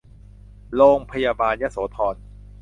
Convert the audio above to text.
โรงพยาบาลยโสธร